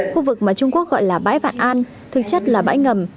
khu vực mà trung quốc gọi là bãi vạn an thực chất là bãi ngầm